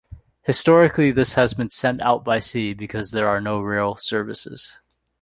Historically this has been sent out by sea because there are no rail services.